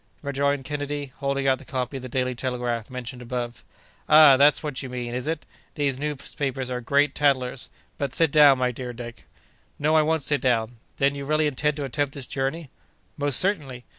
rejoined Kennedy, holding out the copy of the Daily Telegraph, mentioned above. "Ah! that's what you mean, is it? These newspapers are great tattlers! But, sit down, my dear Dick." "No, I won't sit down!—Then, you really intend to attempt this journey?" "Most certainly!